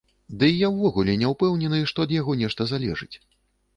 Дый я ўвогуле не ўпэўнены, што ад яго нешта залежыць.